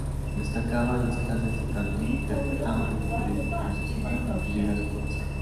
Destacaba en las clases de canto, interpretando diferentes voces para confundir a su profesor.